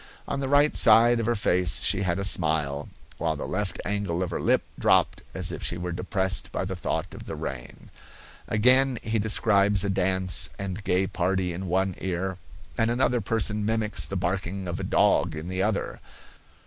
On the right side of her face she had a smile, while the left angle of her lip dropped as if she were depressed by the thought of the rain. Again, he describes a dance and gay party in one ear, and another person mimics the barking of a dog in the other.